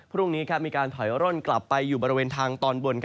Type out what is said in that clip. พรุ่งนี้มีการถอยร่นกลับไปอยู่บริเวณทางตอนบน